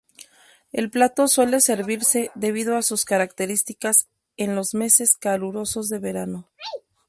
El plato suele servirse, debido a sus características, en los meses calurosos de verano.